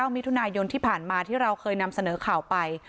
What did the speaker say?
มิถุนายนที่ผ่านมาที่เราเคยนำเสนอข่าวไป